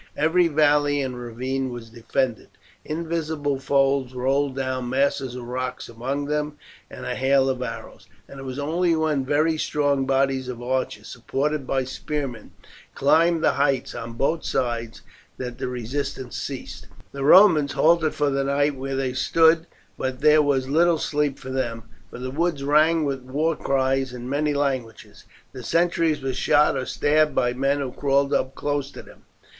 Every valley and ravine was defended, invisible foes rolled down masses of rock among them and a hail of arrows, and it was only when very strong bodies of archers, supported by spearmen, climbed the heights on both sides that the resistance ceased. The Romans halted for the night where they stood, but there was little sleep for them, for the woods rang with war cries in many languages. The sentries were shot or stabbed by men who crawled up close to them.